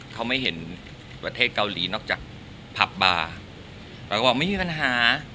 เขาไม่เห็นประเทศเกาหลีนอกจากผับบาร์เราก็บอกไม่มีปัญหา